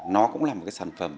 nó cũng là một cái sản phẩm